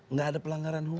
nggak ada pelanggaran hukum